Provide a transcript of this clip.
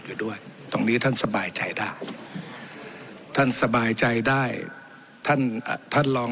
อยู่ด้วยตรงนี้ท่านสบายใจได้ท่านสบายใจได้ท่านท่านลอง